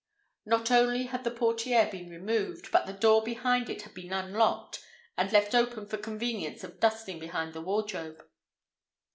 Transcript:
Not only had the portière been removed, but the door behind it had been unlocked and left open for convenience of dusting behind the wardrobe.